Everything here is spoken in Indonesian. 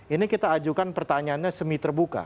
ini kita ajukan pertanyaannya semi terbuka